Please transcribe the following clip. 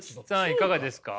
いかがですか。